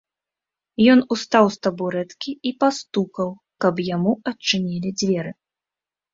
Ён устаў з табурэткі і пастукаў, каб яму адчынілі дзверы.